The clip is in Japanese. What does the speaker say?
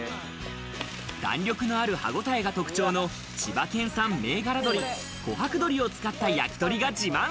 弾力のある歯ごたえが特徴の千葉県産銘柄鶏、古白鶏を使った焼き鳥が自慢。